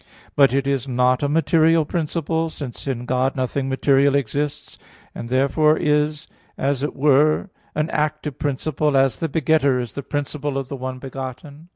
But it is not a material principle, because in God nothing material exists; and therefore it is, as it were, an active principle, as the begetter is the principle of the one begotten.